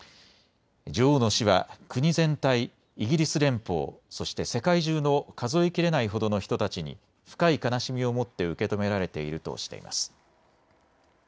女王の死は国全体、イギリス連邦、そして世界中の数え切れないほどの人たちに深い悲しみを持って受け止められているとしています。